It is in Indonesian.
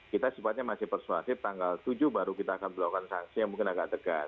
kita sifatnya masih persuasif tanggal tujuh baru kita akan melakukan sanksi yang mungkin agak tegas